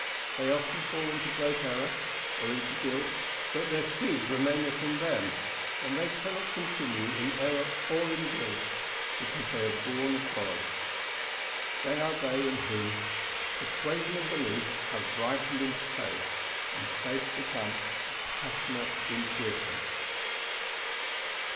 They often fall into great error and into great guilt, but their seed remaineth in them, and they cannot continue in error or in guilt, because they are born of God. They are they in whom "Persuasion and belief Have ripened into faith; and faith become A passionate intuition."